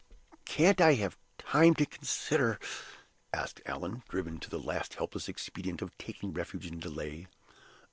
"Can't I have time to consider?" asked Allan, driven to the last helpless expedient of taking refuge in delay.